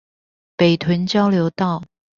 北屯交流道